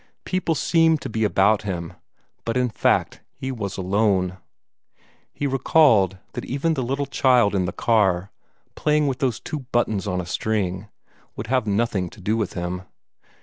People seemed to be about him, but in fact he was alone. He recalled that even the little child in the car, playing with those two buttons on a string, would have nothing to do with him.